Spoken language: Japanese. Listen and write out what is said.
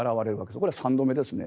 これは３度目ですね。